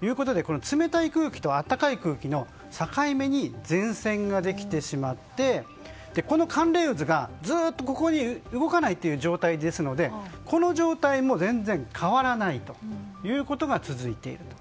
冷たい空気と暖かい空気の境目に前線ができてしまってこの寒冷渦がずっとここで動かないという状態ですのでこの状態も全然変わらないということが続いていると。